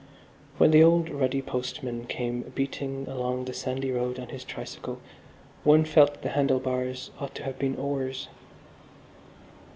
When the old ruddy postman came beating along the sandy road on his tricycle one felt the handle bars ought to have been oars.